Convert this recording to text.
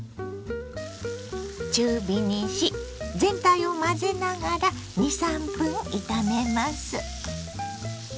中火にし全体を混ぜながら２３分炒めます。